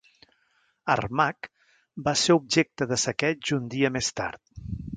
Armagh va ser objecte de saqueig un dia més tard.